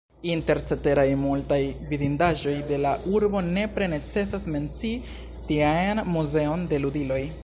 Inter ceteraj multaj vidindaĵoj de la urbo nepre necesas mencii tiean muzeon de ludiloj.